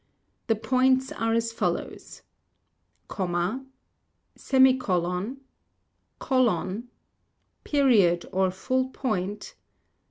The Points are as follows: Comma , Semicolon ; Colon : Period, or Full Point